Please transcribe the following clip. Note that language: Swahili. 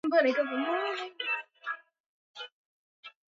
Kuna moshi kwake